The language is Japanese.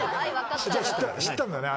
知ったんだね？